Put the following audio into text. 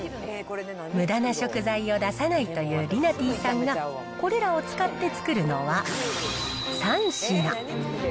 むだな食材を出さないというりなてぃさんが、これらを使って作るのは、３品。